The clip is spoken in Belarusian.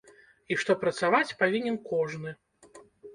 І што працаваць павінен кожны.